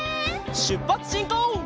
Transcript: しゅっぱつしんこう！